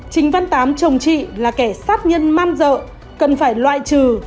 trình văn tám chồng chị là kẻ sát nhân man dợ cần phải loại trừ